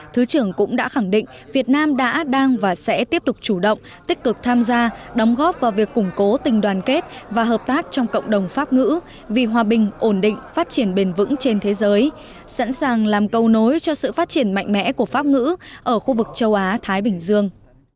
thứ trưởng cũng đã khẳng định việt nam đã đang và sẽ tiếp tục chủ động tích cực tham gia đóng góp vào việc củng cố tình đoàn kết và hợp tác trong cộng đồng pháp ngữ vì hòa bình ổn định phát triển bền vững trên thế giới sẵn sàng làm cầu nối cho sự phát triển mạnh mẽ của pháp ngữ ở khu vực châu á thái bình dương